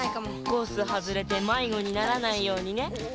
コースはずれてまいごにならないようにね。